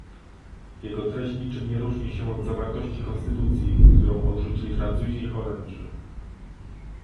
Jego treść niczym nie różni się od zawartości konstytucji, którą odrzucili Francuzi i Holendrzy